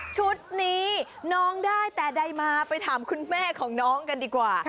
ชุดนี้น้องได้แต่ใดมาไปถามคุณแม่ของน้องกันดีกว่า